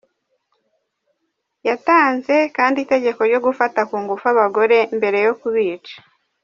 Yatanze kandi itegeko ryo gufata ku ngufu abagore, mbere yo kubica.